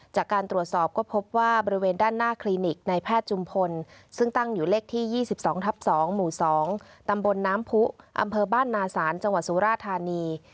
จากการตรวจสอบก็พบว่าบริเวณด้านหน้าคลินิกในแพทย์จุมพลซึ่งตั้งอยู่เลขที่๒๒ทับ๒หมู่๒ตำบลน้ำผู้อำเภอบ้านนาศาลจังหวัดสุราธานี